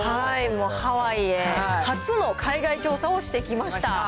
もうハワイへ初の海外調査をしてきました。